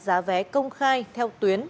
bán vé công khai theo tuyến